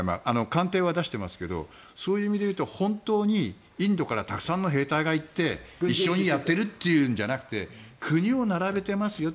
艦艇は出していますがそういう意味で言うと本当にインドからたくさんの兵隊が行って一緒にやっているんじゃなくて国を並べていますよ